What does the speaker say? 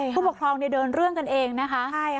ผู้ปกครองเดินเรื่องกันเองนะคะ